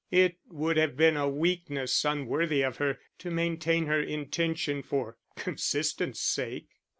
It would have been a weakness, unworthy of her, to maintain her intention for consistence' sake.